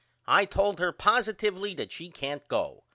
I told her postivly that she can't go.